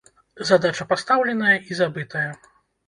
Задача пастаўленая і забытая.